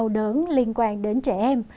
vụ việc đau đớn liên quan đến trẻ em